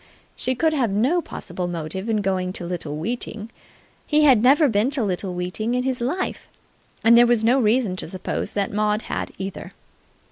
She could have no possible motive in going to Little Weeting. He had never been to Little Weeting in his life, and there was no reason to suppose that Maud had either.